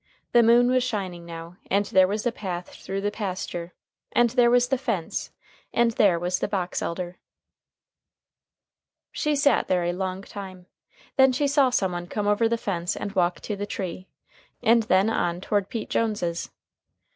The moon was shining now, and there was the path through the pasture, and there was the fence, and there was the box elder. She sat there a long time. Then she saw someone come over the fence and walk to the tree, and then on toward Pete Jones's.